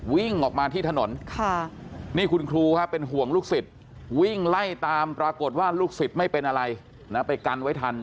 วิ่งออกมาที่ถนนนี่คุณครูเป็นห่วงลูกศิษย์วิ่งไล่ตามปรากฏว่าลูกศิษย์ไม่เป็นอะไรนะไปกันไว้ทัน